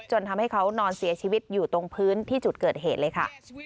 จนทำให้เขานอนเสียชีวิตอยู่ตรงพื้นที่จุดเกิดเหตุเลยค่ะ